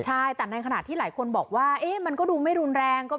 ใช่แต่ในขณะที่หลายคนบอกว่ามันก็ดูไม่รุนแรง